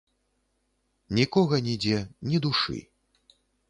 Нікога нідзе, ні душы.